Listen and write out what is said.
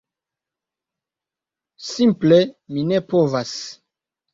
Simple mi ne povas.